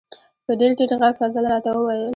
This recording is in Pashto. په ډیر ټیټ غږ فضل را ته و ویل: